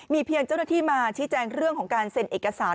เพียงเจ้าหน้าที่มาชี้แจงเรื่องของการเซ็นเอกสาร